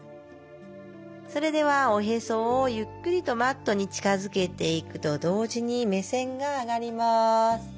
それではおへそをゆっくりとマットに近づけていくと同時に目線が上がります。